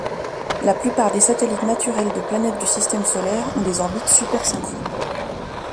La plupart des satellites naturels de planètes du système solaire ont des orbites super-synchrones.